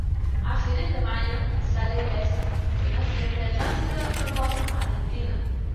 A fines de mayo, salió ilesa de un accidente de tránsito en Formosa, Argentina.